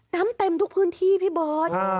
น้ำเต็มทุกพื้นที่พี่บอส